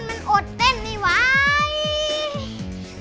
มันอดเต้นไม่ไหว